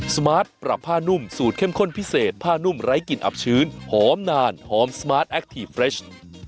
สมาร์ทปรับผ้านุ่มสูตรเข้มข้นพิเศษผ้านุ่มไร้กลิ่นอับชื้นหอมนานหอมสมาร์ทแอคทีฟเฟรช